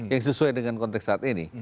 yang sesuai dengan konteks saat ini